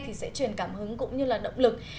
thì sẽ truyền cảm hứng cũng như là động lực